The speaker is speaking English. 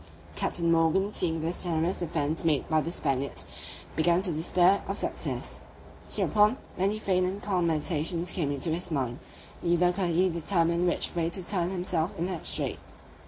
Captain Morgan seeing this generous defence made by the Spaniards, began to despair of success. Hereupon, many faint and calm meditations came into his mind; neither could he determine which way to turn himself in that strait.